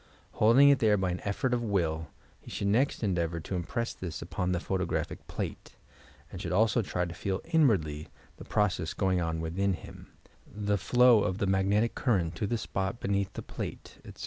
Holding it there by an effort of will, he should next endeavour to impress this upon the photographic plate, and should also try to feel inwardly the process going on within him — the flow of the magnetic current to the spot beneath the plate, etc.